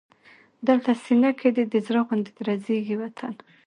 دلته سینه کې دی د زړه غوندې درزېږي وطن